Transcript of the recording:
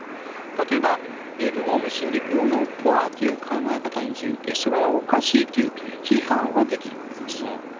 例えばオウム真理教のポアという考え方について、それはおかしいという批判はできるわけです。